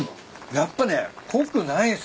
やっぱね濃くないんすよ。